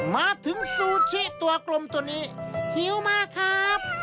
มาถึงซูชิตัวกลมตัวนี้หิวมากครับ